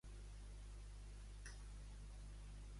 Quan va néixer Maria Assumpció Codina?